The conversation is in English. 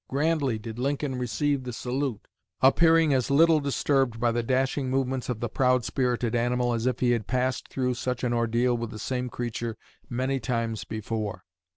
Grandly did Lincoln receive the salute, appearing as little disturbed by the dashing movements of the proud spirited animal as if he had passed through such an ordeal with the same creature many times before.